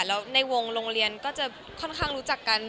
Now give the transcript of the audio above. แล้วในวงโรงเรียนก็จะค่อนข้างรู้จักกัน